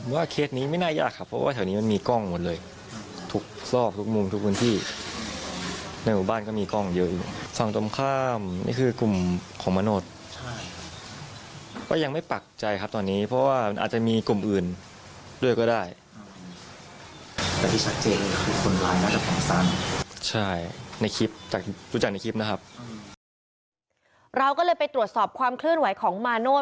เราก็เลยไปตรวจสอบความเคลื่อนไหวของมาโนธ